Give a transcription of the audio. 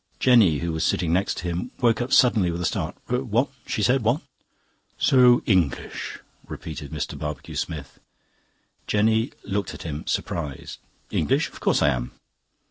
Jenny, who was sitting next to him, woke up suddenly with a start. "What?" she said. "What?" "So English," repeated Mr. Barbecue Smith. Jenny looked at him, surprised. "English? Of course I am."